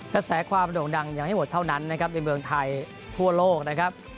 กระแสความโด่งดังยังไม่หมดเท่านั้นนะครับในเมืองไทยทั่วโลกนะครับ